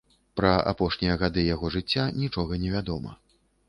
Пра апошнія гады яго жыцця нічога не вядома.